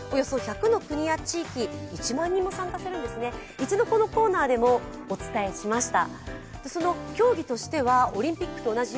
一度、このコーナーでもお伝えしました。